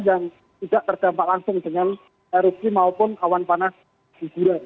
dan tidak terdampak langsung dengan erupsi maupun kawan panas di jura